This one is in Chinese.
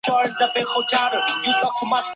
蜥熊兽的头部具有许多原始特征。